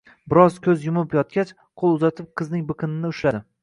Biroz koʻz yumib yotgach, qoʻl uzatib qizning biqinini ushladi